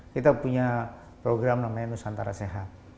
kita punya program namanya nusantara sehat